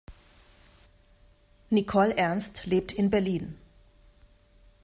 Nicole Ernst lebt in Berlin.